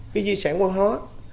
cái di sản văn hóa